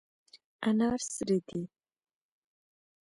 انار سره دي.